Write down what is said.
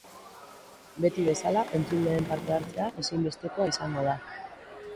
Beti bezala, entzuleen parte-hartzea ezinbestekoa izango da.